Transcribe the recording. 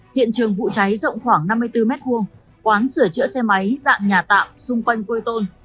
hiện trường vụ cháy rộng khoảng năm mươi bốn m hai quán sửa chữa xe máy dạng nhà tạm xung quanh que tôn